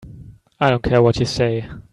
I don't care what you say.